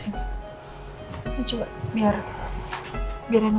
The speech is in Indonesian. coba biar enakkan badannya